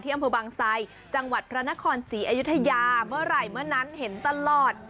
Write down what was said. อำเภอบางไซจังหวัดพระนครศรีอยุธยาเมื่อไหร่เมื่อนั้นเห็นตลอด